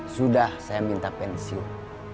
sudah saya minta pensiun